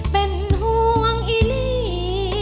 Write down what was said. เป็นห่วงอีลี